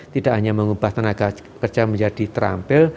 tidak hanya mengubah tenaga kerja menjadi terampil